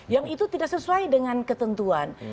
yang itu tidak sesuai dengan ketentuan